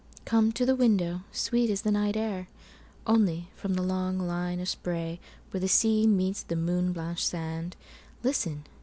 Come to the window, sweet is the night air! Only, from the long line of sprayWhere the sea meets the moon blanch'd sand, Listen!